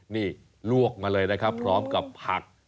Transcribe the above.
นี่ลวกมาเลยนะครับพร้อมกับผัก